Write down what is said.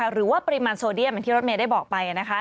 หรือว่าปริมาณโซเดียมอย่างที่รถเมย์ได้บอกไปนะคะ